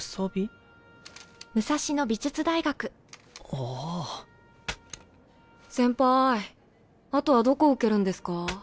カチッ先輩あとはどこ受けるんですか？